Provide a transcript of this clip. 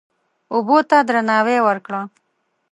اوبه ته درناوی وکړه.